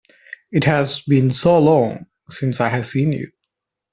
It has been so long since I have seen you!